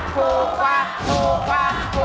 ถูกกว่า